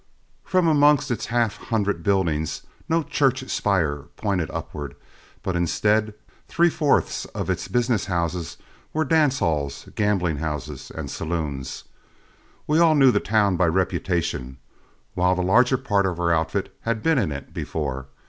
From amongst its half hundred buildings, no church spire pointed upward, but instead three fourths of its business houses were dance halls, gambling houses, and saloons. We all knew the town by reputation, while the larger part of our outfit had been in it before.